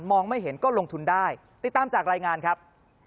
ไม่เห็นก็ลงทุนได้ติดตามจากรายงานครับ